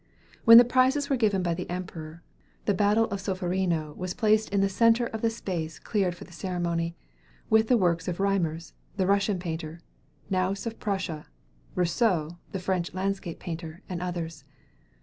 When the prizes were given by the Emperor, the "Battle of Solferino" was placed in the centre of the space cleared for the ceremony, with the works of Reimers, the Russian painter, Knaus of Prussia, Rousseau, the French landscape painter, and others.